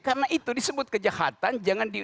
karena itu disebut kejahatan jangan